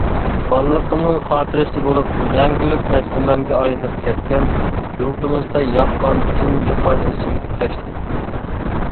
بالىلىقىمنىڭ خاتىرىسى بولۇپ مەڭگۈلۈك ئەسلىمەمگە ئايلىنىپ كەتكەن، يۇرتىمىزدا ياغقان تۇنجى قار ئېسىمگە كەچتى.